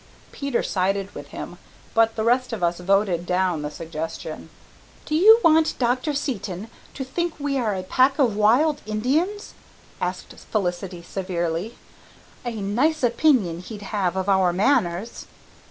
Peter sided with him, but the rest of us voted down the suggestion. "Do you want Dr. Seton to think we are a pack of wild Indians?" asked Felicity severely. "A nice opinion he'd have of our manners!"